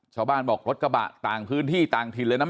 ชาวบ้านบอกรถกระบะต่างพื้นที่ต่างถิ่นเลยนะ